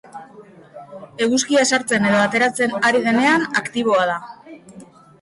Eguzkia sartzen edo ateratzen ari denean aktiboa da.